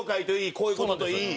こういう事といい。